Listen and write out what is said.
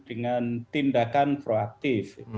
dengan tindakan proaktif